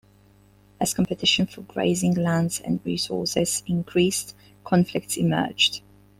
As competition for grazing lands and resources increased, conflicts emerged.